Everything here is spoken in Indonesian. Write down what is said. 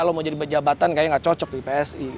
kalau mau jadi pejabatan kayaknya nggak cocok di psi